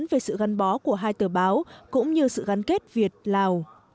về sự gắn bó của hai tờ báo cũng như sự gắn kết việt lào